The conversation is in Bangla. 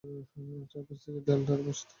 চারপাশ পাকা দেয়াল দ্বারা বেষ্টিত।